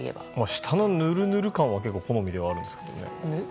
下のぬるぬる感は結構好みではあるんですけどね。